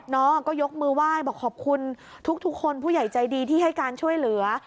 น้องก็ยกมือไหว้บอกขอบคุณทุกคนผู้ใหญ่ใจดีที่ให้การช่วยเหลือ